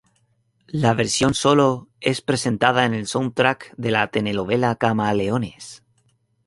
La versión solo es presentada en el soundtrack de la telenovela "Camaleones".